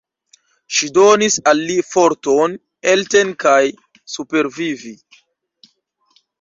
Ŝi donis al li forton elteni kaj supervivi.